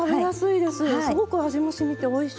すごく味もしみておいしい！